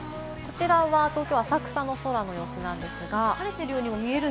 こちらは東京・浅草の空の様子なんですが。